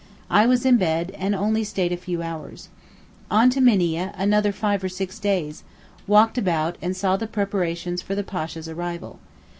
I was in bed, and only stayed a few hours. On to Minieh another five or six days—walked about and saw the preparations for the Pasha's arrival.